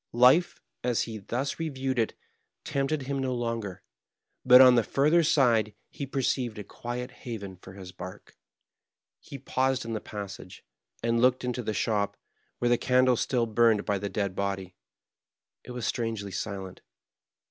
Life, as he thus re viewed it, tempted him no longer; but on the further side he perceived a quiet haven for his bark. He paused in the passage, and looked into the shop, where the candle still burned by the dead body. It was strangely silent.